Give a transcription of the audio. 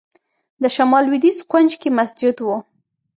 د شمال لوېدیځ کونج کې مسجد و.